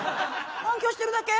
反響してるだけ？